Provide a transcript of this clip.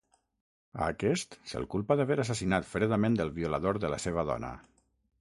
A aquest se'l culpa d'haver assassinat fredament el violador de la seva dona.